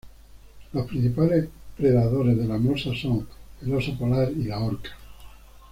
Los principales predadores de la morsa son el oso polar y la orca.